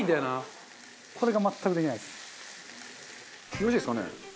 よろしいですかね？